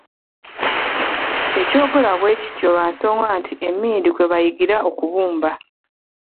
Ekyogerwa bwe kityo lwa nsonga nti emmindi kwe bayigira okubumba.